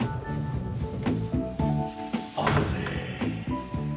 あれ。